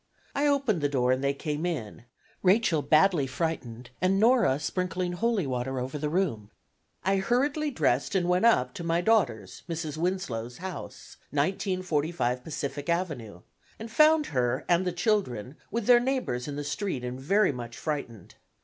I opened the door and they came in, Rachel badly frightened and Nora sprinkling holy water over the room. I hurriedly dressed and went up, to my daughter's (Mrs. Winslow's) house, 1945 Pacific Avenue, and found her and the children with their neighbors in the street and very much frightened.